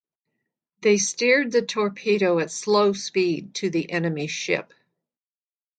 They steered the torpedo at slow speed to the enemy ship.